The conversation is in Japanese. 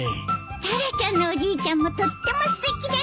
タラちゃんのおじいちゃんもとってもすてきです。